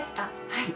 はい。